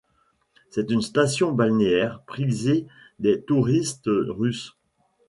C'est une station balnéaire prisée des touristes russes.